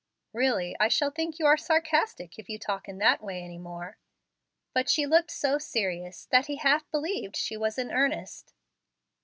"Really, I shall think you are sarcastic, if you talk in that way any more." But she looked so serious that he half believed she was in earnest.